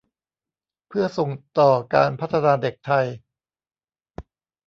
เพื่อส่งต่อการพัฒนาเด็กไทย